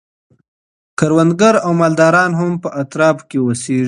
کروندګر او مالداران هم په اطرافو کي اوسیږي.